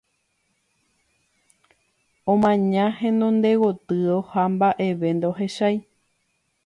Omaña henonde gotyo, ha mba'eve ndohechái.